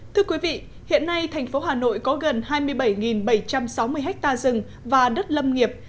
thưa quý vị hiện nay thành phố hà nội có gần hai mươi bảy bảy trăm sáu mươi ha rừng và đất lâm nghiệp